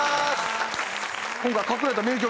今回は隠れた名曲。